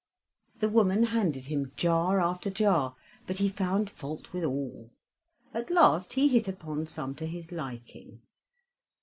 The woman handed him jar after jar, but he found fault with all. At last he hit upon some to his liking.